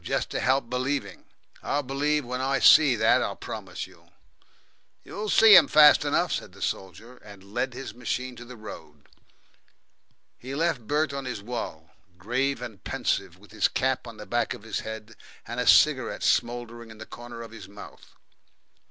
Jest to help believing. I'll believe when I see, that I'll promise you." "You'll see 'em, fast enough," said the soldier, and led his machine out into the road. He left Bert on his wall, grave and pensive, with his cap on the back of his head, and a cigarette smouldering in the corner of his mouth.